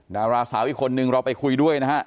ดาราสาวอีกคนนึงเราไปคุยด้วยนะฮะ